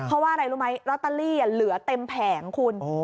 เพราะว่าอะไรรู้ไหมลอตเตอรี่เหลือเต็มแผงคุณ